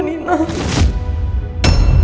tidak ada apa apa